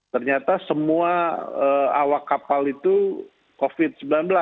ternyata semua awak kapal itu covid sembilan belas